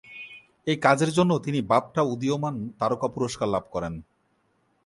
এই কাজের জন্য তিনি বাফটা উদীয়মান তারকা পুরস্কার লাভ করেন।